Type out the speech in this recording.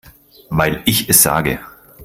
Weil ich es sage.